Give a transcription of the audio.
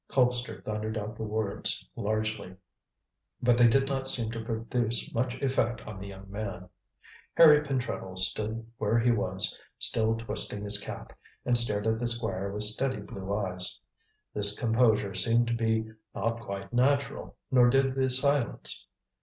Colpster thundered out the words largely, but they did not seem to produce much effect on the young man. Harry Pentreddle stood where he was, still twisting his cap, and stared at the Squire with steady blue eyes. This composure seemed to be not quite natural, nor did the silence.